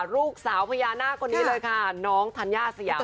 ลูกสาวพญานาคคนนี้เลยค่ะน้องธัญญาสยาม